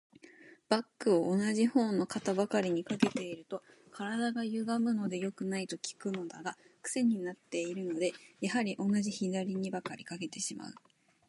バッグを同じ方の肩ばかりに掛けていると、体がゆがむので良くない、と聞くのだが、クセになっているので、やはり同じ左にばかり掛けてしまう。